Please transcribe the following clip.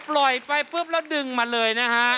ปล่อยไปปุ๊บแล้วดึงมาเลยนะฮะ